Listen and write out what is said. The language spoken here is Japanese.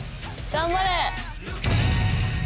頑張れ！